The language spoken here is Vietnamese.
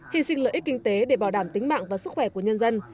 hy sinh lợi ích kinh tế để bảo đảm tính mạng và sức khỏe của nhân dân